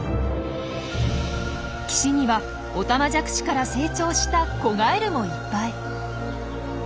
岸にはオタマジャクシから成長した子ガエルもいっぱい。